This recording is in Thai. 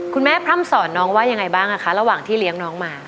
พร่ำสอนน้องว่ายังไงบ้างคะระหว่างที่เลี้ยงน้องมา